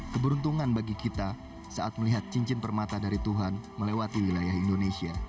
keberuntungan bagi kita saat melihat cincin permata dari tuhan melewati wilayah indonesia